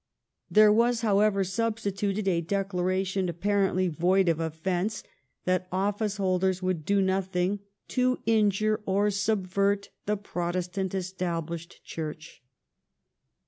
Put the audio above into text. There was, however, substituted a declaration, apparently void of offence, that office holders would do nothing " to injure or subvert the Protestant Established Church''.